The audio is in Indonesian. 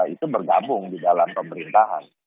itu bergabung di dalam pemerintahan